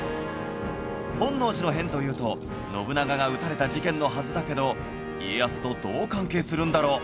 本能寺の変というと信長が討たれた事件のはずだけど家康とどう関係するんだろう？